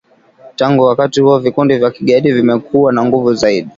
Tangu wakati huo vikundi vya kigaidi vimekuwa na nguvu zaidi.